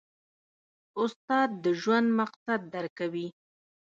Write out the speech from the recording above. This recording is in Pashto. استاد د ژوند مقصد درکوي.